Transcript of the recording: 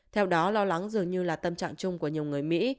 theo đó lo lắng dường như là tâm trạng chung của nhiều người mỹ